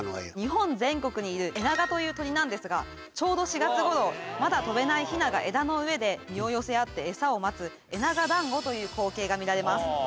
日本全国にいるエナガという鳥なんですがちょうど４月ごろまだ飛べないヒナが枝の上で身を寄せ合ってエサを待つエナガ団子という光景が見られます。